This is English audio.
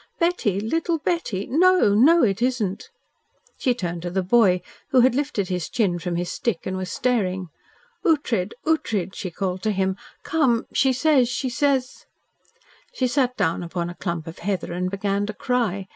"Betty! Little Betty? No! No! it isn't!" She turned to the boy, who had lifted his chin from his stick, and was staring. "Ughtred! Ughtred!" she called to him. "Come! She says she says " She sat down upon a clump of heather and began to cry.